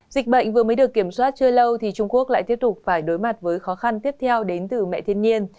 dịch bệnh vừa mới được kiểm soát chưa lâu thì trung quốc lại tiếp tục phải đối mặt với khó khăn tiếp theo đến từ mẹ thiên nhiên